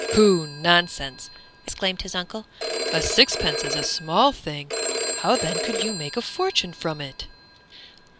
"Pooh! nonsense!" exclaimed his uncle, "a sixpence is a small thing. How then could you make a fortune from it?"